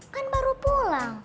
kan baru pulang